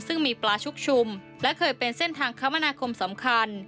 ซึ่งมีปลาชุกชุมและเคยเป็นเส้นทางคมนาคมสำคัญ